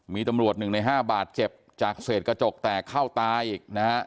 มีตำรวจ๑ใน๕บาดเจ็บจากเศษกระจกแตกเข้าตาอีกนะฮะ